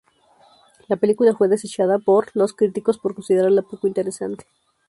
La película fue desechada por los críticos por considerarla poco interesante.